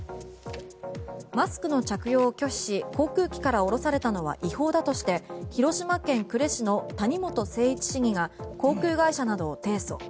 マスクの着用を拒否し航空機から降ろされたのは違法だとして広島県呉市の谷本誠一市議が航空会社などを提訴。